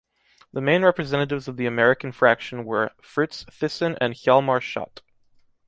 The main representatives of the "American" fraction were Fritz Thyssen and Hjalmar Schacht.